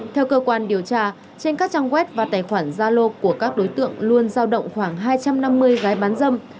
theo cơ quan điều tra trên các trang web và tài khoản gia lô của các đối tượng luôn giao động khoảng hai trăm năm mươi gái bán dâm